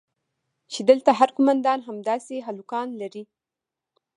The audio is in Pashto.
چې دلته هر قومندان همداسې هلکان لري.